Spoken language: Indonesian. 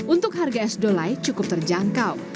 untuk harga es dolai cukup terjangkau